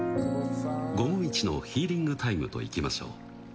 午後イチのヒーリングタイムといきましょう。